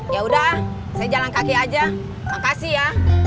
ya udah saya jalan kaki aja makasih ya